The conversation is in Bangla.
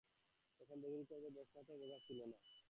তখন আর দেরি করবার লেশমাত্র অবকাশ ছিল না।